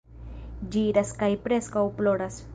Ĝi iras kaj preskaŭ ploras.